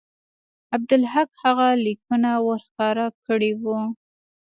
عبدالحق هغه لیکونه ورښکاره کړي وو.